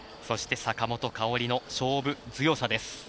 そして坂本花織の勝負強さです。